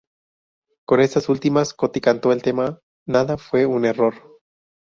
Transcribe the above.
Con estas últimas Coti cantó el tema "Nada fue un error".